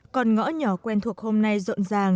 còn ngõ nhỏ quen thuộc hôm nay rộn ràng